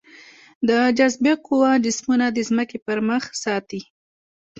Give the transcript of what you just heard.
د جاذبې قوه جسمونه د ځمکې پر مخ ساتي.